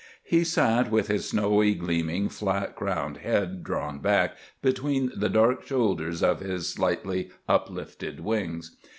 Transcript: He sat with his snowy, gleaming, flat crowned head drawn back between the dark shoulders of his slightly uplifted wings.